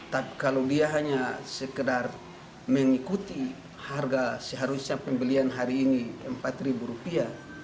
tapi kalau dia hanya sekedar mengikuti harga seharusnya pembelian hari ini empat ribu rupiah